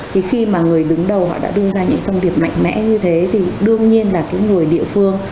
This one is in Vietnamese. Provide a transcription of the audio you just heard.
thì khi mà người đứng đầu họ đã đưa ra những thông điệp mạnh mẽ như thế thì đương nhiên là cái người địa phương